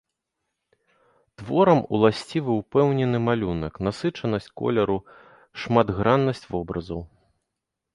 Творам уласцівы ўпэўнены малюнак, насычанасць колеру, шматграннасць вобразаў.